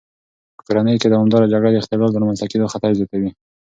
په کورنۍ کې دوامداره جګړه د اختلال د رامنځته کېدو خطر زیاتوي.